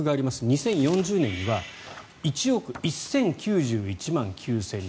２０４０年には１億１０９１万９０００人。